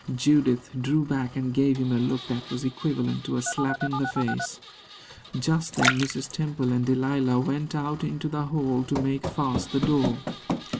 Judith drew back and gave him a look that was equivalent to a slap in the face. Just then Mrs. Temple and Delilah went out into the hall to make fast the door.